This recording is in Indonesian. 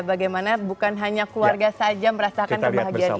bagaimana bukan hanya keluarga saja merasakan kebahagiaan ini ya